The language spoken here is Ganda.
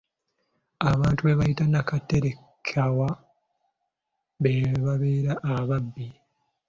Abantu be bayita nakaterekawa be babeera ababbi.